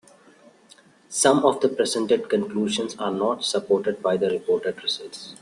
Some of the presented conclusions are not supported by the reported results.